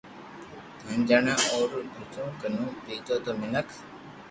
ھين جڻي اورو ٻجو ڪنو پينتو تو مينک